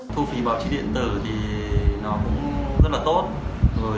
thu phí báo chí điện tử thì nó cũng rất là tốt